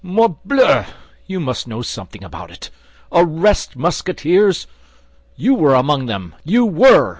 Morbleu! You must know something about it. Arrest Musketeers! You were among them—you were!